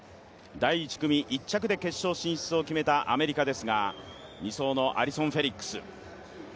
第１組１着で決勝進出を決めたアメリカですが２走のアリソン・フェリックス。